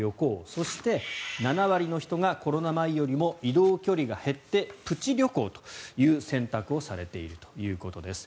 そして、７割の人がコロナ前よりも移動距離が減ってプチ旅行という選択をされているということです。